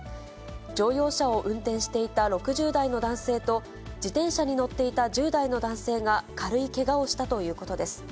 乗用車を運転していた６０代の男性と、自転車に乗っていた１０代の男性が軽いけがをしたということです。